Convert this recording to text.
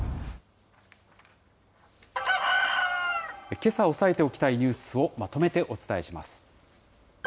けさ、押さえておきたいニュースをまとめてお伝えします。